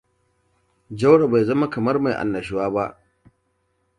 Jaurou bai zama kamar mai annashuwa ba.